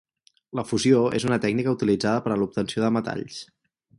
La fusió és una tècnica utilitzada per a l'obtenció de metalls.